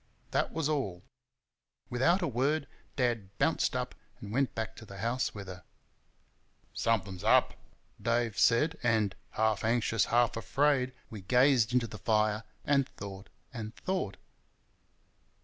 That was all. Without a word, Dad bounced up and went back to the house with her. "Something's up!" Dave said, and, half anxious, half afraid, we gazed into the fire and thought and thought.